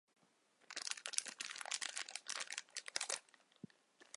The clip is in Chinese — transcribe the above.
加密演算法则是采用了其他第三方的实作。